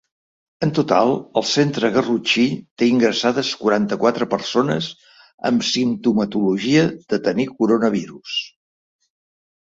En total, el centre garrotxí té ingressades quaranta-quatre persones amb simptomatologia de tenir coronavirus.